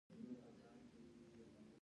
پاچا تعليمي مرکزونه مهم ووبلل.